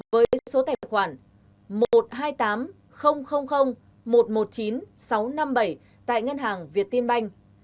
với số tài khoản một trăm hai mươi tám một trăm một mươi chín sáu trăm năm mươi bảy tại ngân hàng việt tiên banh